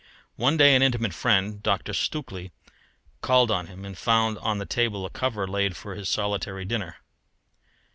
One day an intimate friend, Dr. Stukely, called on him and found on the table a cover laid for his solitary dinner.